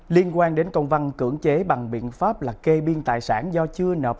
liên quan đến công văn cưỡng chế bằng biện pháp là kê biên tài sản do chưa nộp